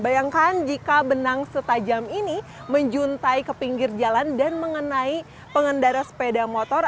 bayangkan jika benang setajam ini menjuntai ke pinggir jalan dan mengenai pengendara sepeda motor